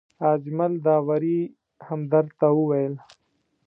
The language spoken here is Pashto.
اجمل داوري همدرد ته وویل.